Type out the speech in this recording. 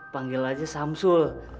panggil aja hesamsul